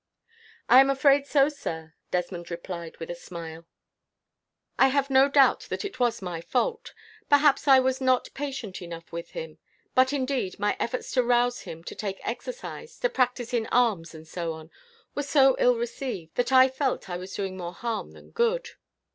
"I am afraid so, sir," Desmond replied with a smile. "I have no doubt that it was my fault. Perhaps I was not patient enough with him; but, indeed, my efforts to rouse him to take exercise, to practise in arms, and so on, were so ill received, that I felt I was doing more harm than good."